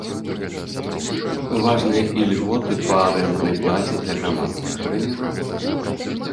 Важныя і льготы па арэнднай плаце для грамадскіх арганізацый.